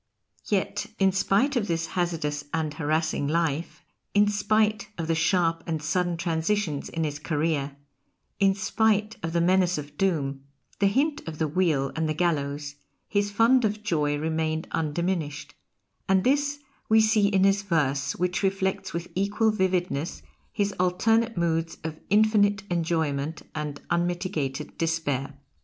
Yet in spite of this hazardous and harassing life, in spite of the sharp and sudden transitions in his career, in spite of the menace of doom, the hint of the wheel and the gallows, his fund of joy remained undiminished, and this we see in his verse, which reflects with equal vividness his alternate moods of infinite enjoyment and unmitigated despair.